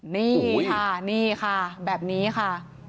นี่ค่ะนี่ค่ะแบบนี้ค่ะ